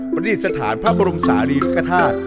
ประติศถาสุพระโปรมสาหรี่รุกฐาส